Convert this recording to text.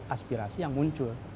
aspirasi yang muncul